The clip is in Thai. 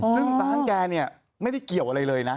ซึ่งร้านแกเนี่ยไม่ได้เกี่ยวอะไรเลยนะ